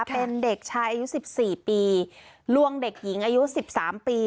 เป็นเด็กชายอายุ๑๔ปีลวงเด็กหญิงอายุ๑๓ปี